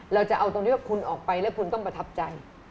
เราจะเอาตรงที่ว่าคุณออกไปแล้วคุณต้องประทับใจ